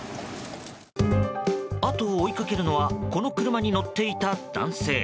後を追いかけるのはこの車に乗っていた男性。